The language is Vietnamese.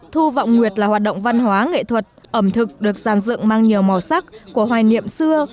thu vọng nguyệt là hoạt động văn hóa nghệ thuật ẩm thực được giàn dựng mang nhiều màu sắc của hoài niệm xưa